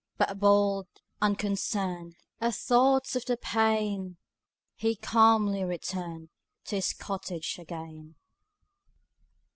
But bold, unconcern'd At thoughts of the pain, He calmly return'd To his cottage again.